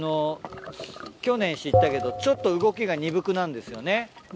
去年知ったけどちょっと動きが鈍くなんですよね。